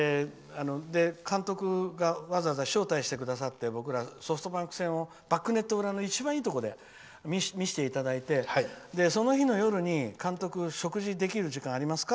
監督が、わざわざ招待してくださって僕らソフトバンク戦をバックネット裏の一番いいところで見せていただいてその日の夜に、監督食事できる時間ありますか？